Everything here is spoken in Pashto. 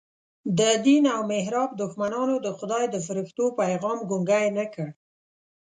د دین او محراب دښمنانو د خدای د فرښتو پیغام ګونګی نه کړ.